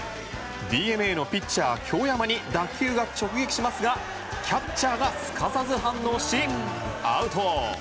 ＤｅＮＡのピッチャー、京山に打球が直撃しますがキャッチャーがすかさず反応しアウト。